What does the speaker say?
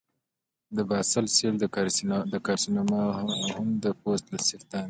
د باسل سیل کارسینوما هم د پوست سرطان دی.